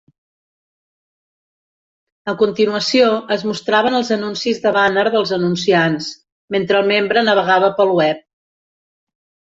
A continuació, es mostraven els anuncis de bàner dels anunciants mentre el membre navegava pel web.